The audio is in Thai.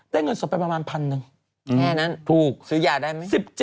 เงินสดไปประมาณพันหนึ่งแค่นั้นถูกซื้อยาได้ไหม